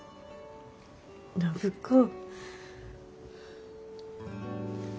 暢子。